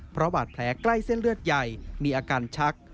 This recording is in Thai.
เพราะบาดแผลใกล้เส้นเลือดใหญ่มีอาการชัก